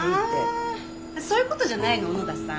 あそういうことじゃないの小野田さん。